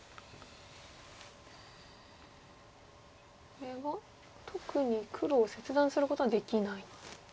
これは特に黒を切断することはできないんですね